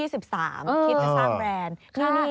คิดจะสร้างแบรนด์